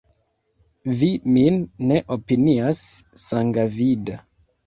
Vi min ne opinias sangavida!